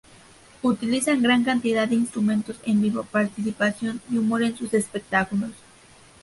Utilizan gran cantidad de instrumentos en vivo, participación y humor en sus espectáculos.